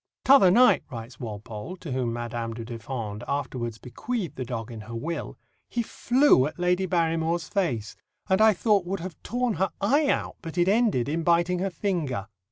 "T'other night," writes Walpole, to whom Madame du Deffand afterwards bequeathed the dog in her will, "he flew at Lady Barrymore's face, and I thought would have torn her eye out, but it ended in biting her finger.